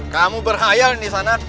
kamu berhayal disana